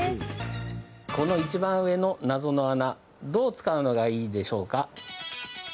このいちばん上の謎の穴どう使うのがいいでしょうか？